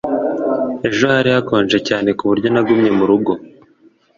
Ejo hari hakonje cyane ku buryo nagumye mu rugo